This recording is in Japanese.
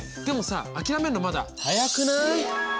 でもさ諦めんのまだ早くない。